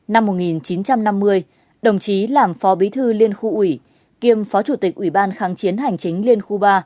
năm một nghìn chín trăm năm mươi đồng chí làm phó bí thư liên khu ủy kiêm phó chủ tịch ủy ban kháng chiến hành chính liên khu ba